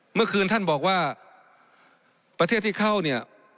เมื่อคืนท่านบอกว่าประเทศที่เข้าเนี่ย